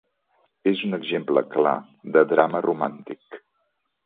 És un exemple clar de drama romàntic.